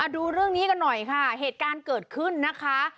ดูเรื่องนี้กันหน่อยค่ะเหตุการณ์เกิดขึ้นนะคะ